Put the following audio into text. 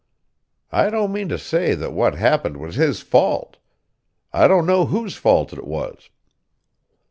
I don't mean to say that what happened was his fault. I don't know whose fault it was.